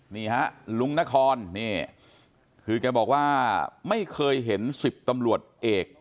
นี่ฮะลุงนครนี่คือแกบอกว่าไม่เคยเห็น๑๐ตำรวจเอก